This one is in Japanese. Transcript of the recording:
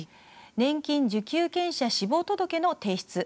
年金受給権者死亡届の提出。